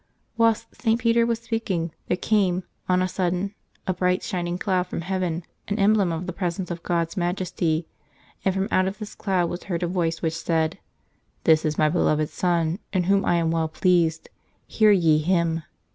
'^ Whilst St. Peter was speaking, there came, on a sudden, a bright shining cloud from heaven, an emblem of the presence of God's majesty, and from out of this cloud was heard a voice which said, " This is My beloved Son, in Whom I am well pleased; hear ye Him."